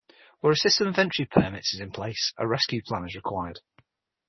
Where a system of entry permits is in place, a rescue plan is required.